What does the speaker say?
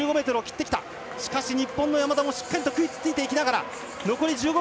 しかし日本の山田もしっかり食いついていく。